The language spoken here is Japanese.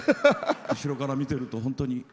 後ろから見てると本当に。